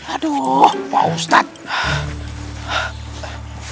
aduh pak ustadz